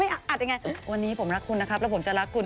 อัดยังไงวันนี้ผมรักคุณนะครับแล้วผมจะรักคุณ